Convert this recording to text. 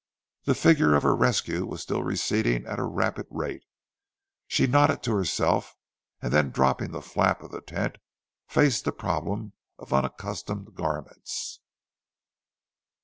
The figure of her rescuer was still receding at a rapid rate. She nodded to herself, and then dropping the flap of the tent, faced the problem of the unaccustomed garments.